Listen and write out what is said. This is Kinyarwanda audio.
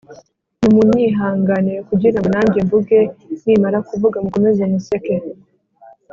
nimunyihanganire kugira ngo nanjye mvuge, nimara kuvuga mukomeze museke